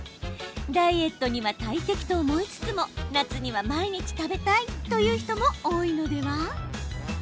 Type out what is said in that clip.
ダイエットには大敵と思いつつも夏には毎日食べたいという人も多いのでは？